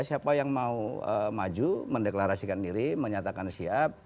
siapa yang mau maju mendeklarasikan diri menyatakan siap